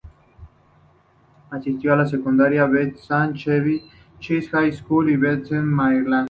Asistió a la secundaria Bethesda-Chevy Chase High School, en Bethesda, Maryland.